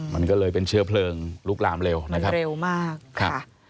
มันก็เลยเป็นเชื้อเพลิงลุกลามเร็วนะครับเร็วมากค่ะ